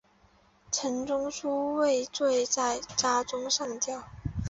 陈仲书畏罪在家中上吊。